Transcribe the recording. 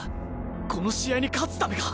この試合に勝つためか？